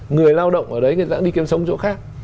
người lao động ở đấy thì đã đi kiếm sống chỗ khác